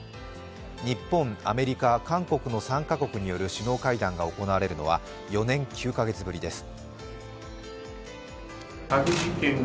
日本、アメリカ、韓国の３カ国による首脳会談が行われるのは４年９月ぶりです。